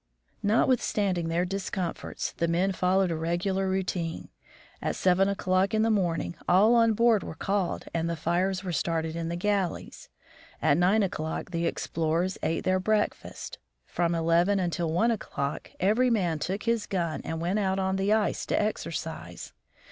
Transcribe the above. Notwithstanding their discomforts, the men followed a regular routine. At seven o'clock in the morning all on board were called and the fires were started in the galleys. At nine o'clock the explorers ate their breakfast. From eleven until one o'clock every man took his gun and went out on the ice to exercise.